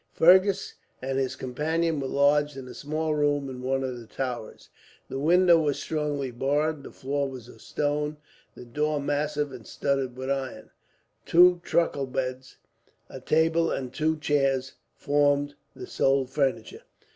Fergus and his companion were lodged in a small room in one of the towers. The window was strongly barred, the floor was of stone, the door massive and studded with iron. Two truckle beds, a table, and two chairs formed the sole furniture.